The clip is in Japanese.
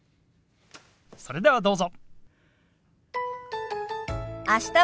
それではどうぞ。